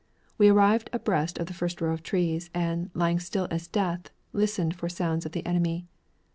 We arrived abreast of the first row of trees, and lying still as death listened for sounds of the enemy.